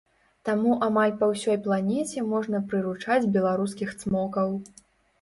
Таму амаль па ўсёй планеце можна прыручаць беларускіх цмокаў.